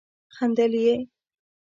خندل يې.